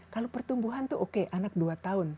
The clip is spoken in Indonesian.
kalau pertumbuhan itu oke anak dua tahun